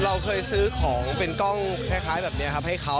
เราเคยซื้อของเป็นกล้องคล้ายแบบนี้ครับให้เขา